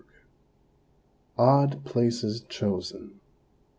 ODD PLACES CHOSEN.